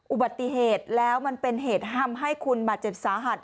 อุบัติเหตุแล้วมันเป็นเหตุทำให้คุณบาดเจ็บสาหัส